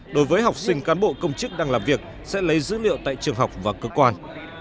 đối với học sinh cán bộ công chức đang làm việc sẽ lấy dữ liệu tại trường học và cơ quan